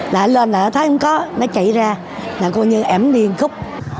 lại lên là nó thấy không có nó chạy ra là cô như ẻm điên khúc